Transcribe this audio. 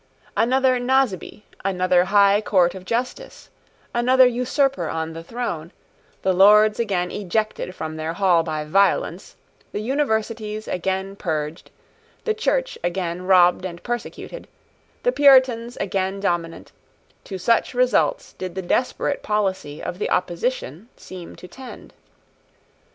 Another Naseby, another High Court of Justice, another usurper on the throne, the Lords again ejected from their hall by violence, the Universities again purged, the Church again robbed and persecuted, the Puritans again dominant, to such results did the desperate policy of the opposition seem to tend.